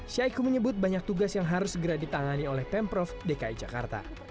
syahiku menyebut banyak tugas yang harus segera ditangani oleh pemprov dki jakarta